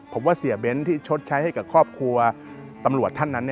ผมว่าเสียเบ้นที่ชดใช้ให้กับครอบครัวตำรวจท่านนั้น